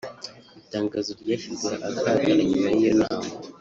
Itangazo ryashyizwe ahagaragara nyuma y’iyo nama